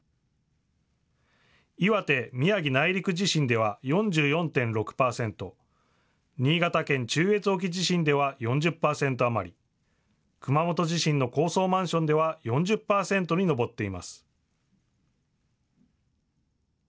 岩手・宮城内陸地震では４４．６％、新潟県中越沖地震では４０％余り、熊本地震の高層マンションでは４０％に上っています。